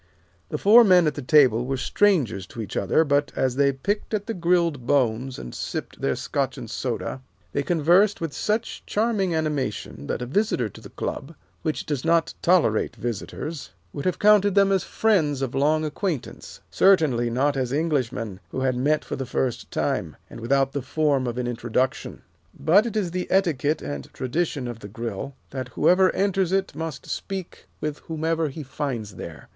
The four men at the table were strangers to each other, but as they picked at the grilled bones, and sipped their Scotch and soda, they conversed with such charming animation that a visitor to the Club, which does not tolerate visitors, would have counted them as friends of long acquaintance, certainly not as Englishmen who had met for the first time, and without the form of an introduction. But it is the etiquette and tradition of the Grill, that whoever enters it must speak with whomever he finds there.